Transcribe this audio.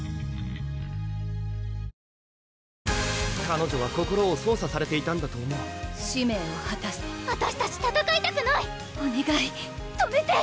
彼女は心を操作されていたんだと思う使命をはたすあたしたち戦いたくないおねがい止めて！